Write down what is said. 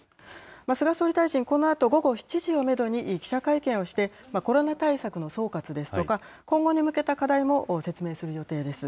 菅総理大臣、このあと午後７時をメドに、記者会見をして、コロナ対策の総括ですとか、今後に向けた課題も説明する予定です。